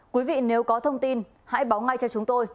quý vị nếu có thông tin hãy báo ngay cho chúng tôi